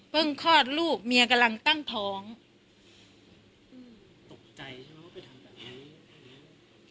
คลอดลูกเมียกำลังตั้งท้องอืมตกใจใช่ไหมว่าไปทำแบบนี้